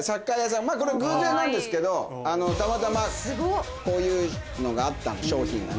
これ偶然なんですけどたまたまこういうのがあった商品がね。